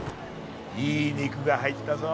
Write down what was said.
いい肉が入ったぞ。